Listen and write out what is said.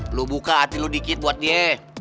lo buka hati lo dikit buat dia